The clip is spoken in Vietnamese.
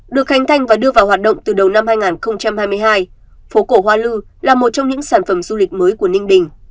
được khánh thành và đưa vào hoạt động từ đầu năm hai nghìn hai mươi hai phố cổ hoa lư là một trong những sản phẩm du lịch mới của ninh bình